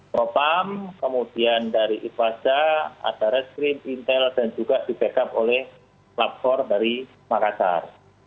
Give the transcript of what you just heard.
propam kemudian dari ifaza ada reskrim intel dan juga di backup oleh platform dari makassar